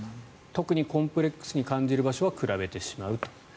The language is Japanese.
特にコンプレックスに感じる場所は比べてしまうと。